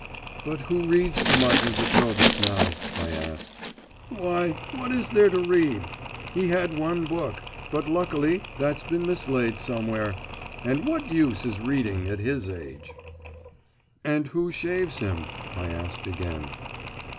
'But who reads to Martin Petrovitch now?' I asked. 'Why, what is there to read? He had one book but, luckily, that's been mislaid somewhere.… And what use is reading at his age.' 'And who shaves him?' I asked again.